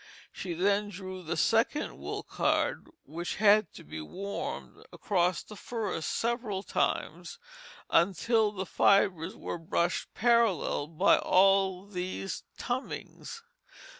She then drew the second wool card, which had to be warmed, across the first several times, until the fibres were brushed parallel by all these "tummings."